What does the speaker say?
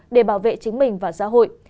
để bảo vệ chính mình và xã hội